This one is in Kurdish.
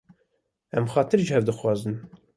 Em xatir ji hev dixwazin.